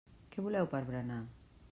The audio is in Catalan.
Què voleu per berenar?